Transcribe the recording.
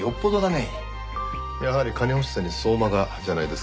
やはり金欲しさに相馬がじゃないですか？